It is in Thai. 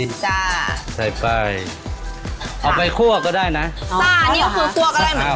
จ้าใส่ไปเอาไปคั่วก็ได้นะจ้านี่ก็คือคั่วก็ได้เหมือนกัน